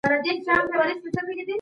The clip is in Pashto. دغه لایحه باید په پښتو کي تدوین سي.